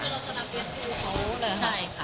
รับเงินผู้เขาใช่ค่ะ